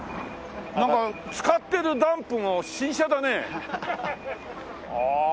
なんか使ってるダンプも新車だね。